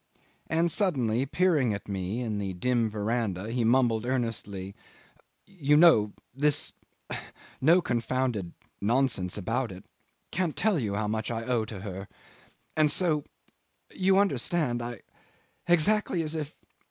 and suddenly peering at me in the dim verandah, he mumbled earnestly, "You know this no confounded nonsense about it can't tell you how much I owe to her and so you understand I exactly as if